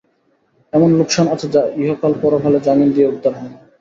এমন লোকসান আছে যা ইহকাল-পরকালে জামিন দিয়ে উদ্ধার হয় না।